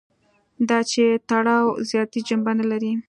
دا چې تړاو ذاتي جنبه نه لري.